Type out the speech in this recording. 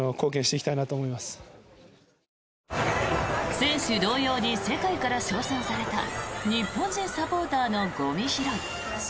選手同様に世界から称賛された日本人サポーターのゴミ拾い。